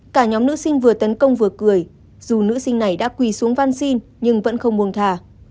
cả nhóm nữ sinh vừa tấn công vừa cười dù nữ sinh này đã quỳ xuống văn xin nhưng vẫn không buồng thả